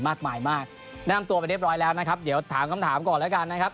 มากมายมากแนะนำตัวไปเรียบร้อยแล้วนะครับเดี๋ยวถามคำถามก่อนแล้วกันนะครับ